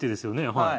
はい。